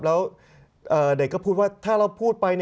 แล้วเด็กก็พูดว่าถ้าเราพูดไป